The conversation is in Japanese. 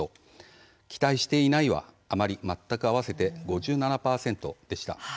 「期待していない」は「あまり」「全く」合わせて５７％でした。